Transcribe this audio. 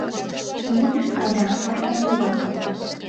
— Вучышт айда, мый ом юватыл.